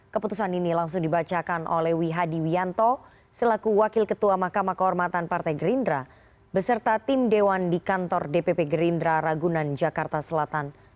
keputusan ini langsung dibacakan oleh wihadi wianto selaku wakil ketua mahkamah kehormatan partai gerindra beserta tim dewan di kantor dpp gerindra ragunan jakarta selatan